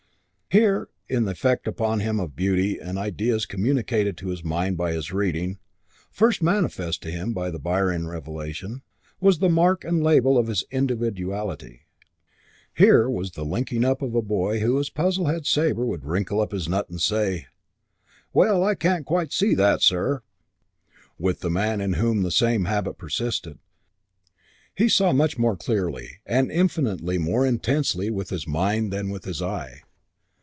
VI Here, in the effect upon him of beauty and of ideas communicated to his mind by his reading first manifested to him by the Byron revelation was the mark and label of his individuality: here was the linking up of the boy who as Puzzlehead Sabre would wrinkle up his nut and say, "Well, I can't quite see that, sir," with the man in whom the same habit persisted; he saw much more clearly and infinitely more intensely with his mind than with his eye.